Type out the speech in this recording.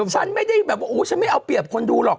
ฉันไม่ได้แบบว่าฉันไม่เอาเปรียบคนดูหรอก